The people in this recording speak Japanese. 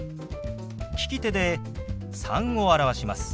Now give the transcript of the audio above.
利き手で「３」を表します。